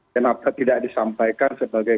kenapa tidak disampaikan sebagai